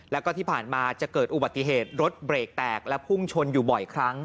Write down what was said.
แล้วก็ที่ผ่านมาจะเกิดอุบัติเหตุรถเบรกแตกและพุ่งชนอยู่บ่อยครั้ง